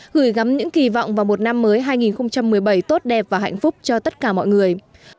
gửi gắm những kỳ vọng vào một năm mới hai nghìn một mươi bảy tốt đẹp và hạnh phúc cho tất cả mọi người